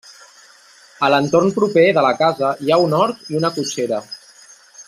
A l'entorn proper de la casa hi ha un hort i una cotxera.